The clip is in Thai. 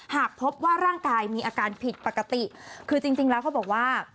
หากพบว่าร่างกายมีอาการผิดปกติคือจริงแล้วเขาบอกว่า